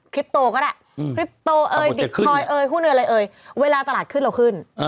ก็ได้เอ่ยหุ้นอะไรเอ่ยเวลาตลาดขึ้นเราขึ้นอ่า